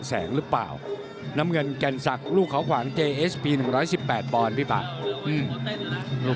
ครับครับครับครับครับครับครับครับครับครับครับครับครับครับ